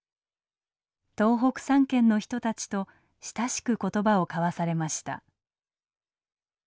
東北３県の人たちと親しく言葉を交わされました。